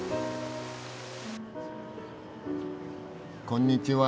こんにちは。